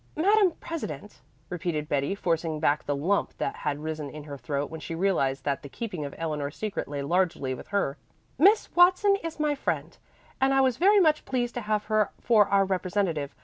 "Madame president," repeated Betty, forcing back the lump that had risen in her throat when she realized that the keeping of Eleanor's secret lay largely with her, "Miss Watson is my friend, and I was very much pleased to have her for our representative.